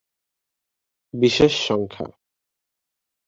বিশেষ সংখ্যা